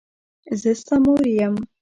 زه ستا مور یم.